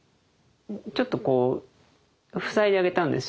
ちょっとこう塞いであげたんですよ。